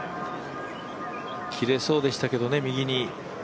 切れそうでしたけどね右に。